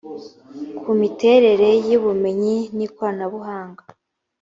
ku miterere y ubumenyi n ikoranabuhanga